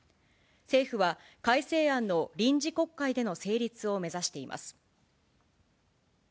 政府は改正案の臨時国会での成立を目指しています。